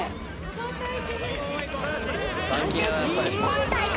今大会